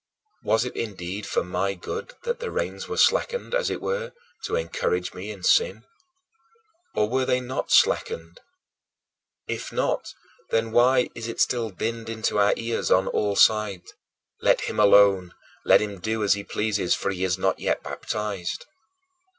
Was it indeed for my good that the reins were slackened, as it were, to encourage me in sin? Or, were they not slackened? If not, then why is it still dinned into our ears on all sides, "Let him alone, let him do as he pleases, for he is not yet baptized"?